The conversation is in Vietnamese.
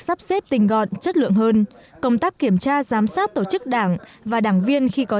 sắp xếp tình gọn chất lượng hơn công tác kiểm tra giám sát tổ chức đảng và đảng viên khi có